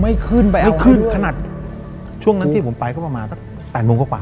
ไม่ขึ้นไปไม่ขึ้นขนาดช่วงนั้นที่ผมไปก็ประมาณสักแปดโมงกว่า